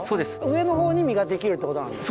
上の方に実ができるってことなんだ。